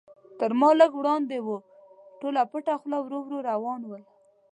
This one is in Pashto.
تر ما لږ وړاندې و، ټول پټه خوله ورو ورو وړاندې روان و.